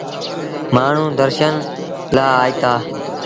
مآݩهون درشن لآ آئيٚتآ۔